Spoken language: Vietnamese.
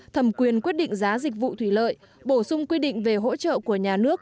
thẩm quyền quyết định giá dịch vụ thủy lợi bổ sung quy định về hỗ trợ của nhà nước